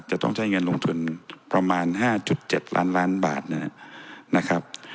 จะต้องใช้เงินลงทุนประมาณ๕๗ล้านล้านบาทนะครับ